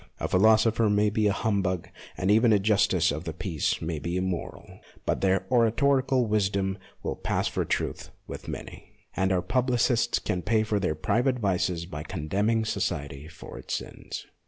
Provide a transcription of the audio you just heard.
A philosopher may be a hum bug, and even a Justice of the Peace may be immoral ; but their oratorical wisdom will pass for truth with many, and our publicists can pay for their private vices by condemning society for its sins.